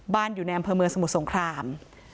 อยู่ในอำเภอเมืองสมุทรสงคราม